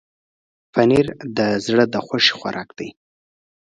پنېر د زړه خوښي خوراک دی.